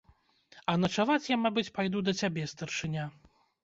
А начаваць я, мабыць, пайду да цябе, старшыня.